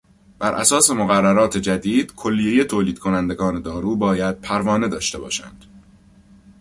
براساس مقررات جدید کلیهی تولید کنندگان دارو باید پروانه داشته باشند.